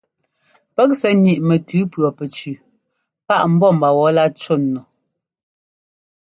Pɛ́k sɛ́ ńniꞌ mɛtʉ pʉɔpɛcu páꞌ ḿbɔ́ mba wɔ̌lá cú nu.